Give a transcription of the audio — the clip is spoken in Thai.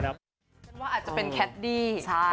อาจจะเป็นแคดดี้